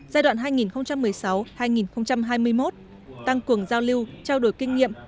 giai đoạn hai nghìn một mươi sáu hai nghìn hai mươi một tăng cường giao lưu trao đổi kinh nghiệm